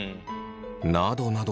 などなど